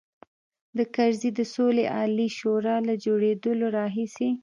د کرزي د سولې عالي شورا له جوړېدلو راهیسې.